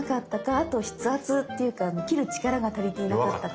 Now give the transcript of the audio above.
あと筆圧っていうか切る力が足りていなかったか。